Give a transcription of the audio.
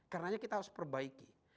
karena kita harus perbaiki